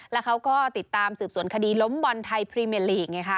และเขาก็ติดตามสืบสวนคดีล้มบอลไทยปรีเมียร์ลีก